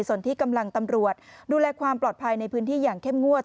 ส่วนที่กำลังตำรวจดูแลความปลอดภัยในพื้นที่อย่างเข้มงวด